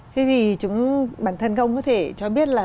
thế thì chúng bản thân không có thể cho biết là